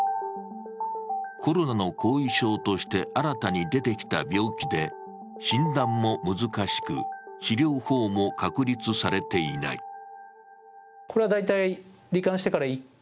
コロナの後遺症として新たに出てきた病気で診断も難しく、治療法も確立されていない。